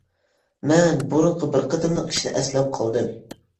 مەن بۇرۇنقى بىر قېتىملىق ئىشنى ئەسلەپ قالدىم.